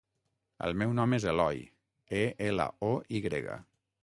El meu nom és Eloy: e, ela, o, i grega.